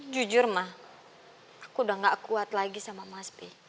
jujur ma aku udah nggak kuat lagi sama mas b